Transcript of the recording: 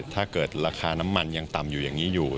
ถ้าเกิดราคาน้ำมันยังต่ำอยู่อย่างนี้อยู่